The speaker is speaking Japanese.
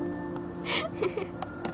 フフフ。